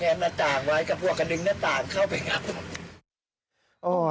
หน้าต่างไว้กับพวกกระดึงหน้าต่างเข้าไปครับ